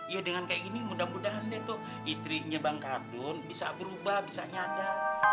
ya dengan kayak ini mudah mudahan deh tuh istrinya bang kardun bisa berubah bisa nyada